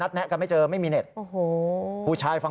รอมันหลับสนิทก่อน